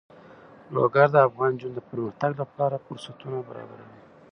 لوگر د افغان نجونو د پرمختګ لپاره فرصتونه برابروي.